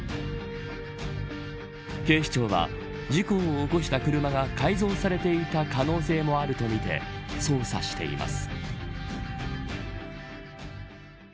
警視庁は、事故を起こした車が改造されていた可能性もあるとみて捜査しています。